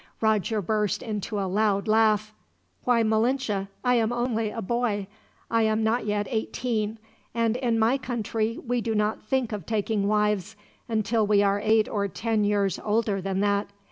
Roger burst into a loud laugh. "Why, Malinche, I am only a boy! I am not yet eighteen; and in my country we do not think of taking wives, until we are eight or ten years older than that.